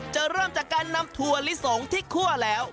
เริ่มจากการนำถั่วลิสงที่คั่วแล้ว